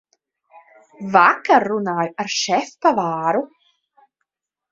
Vakar runāju ar šefpavāru.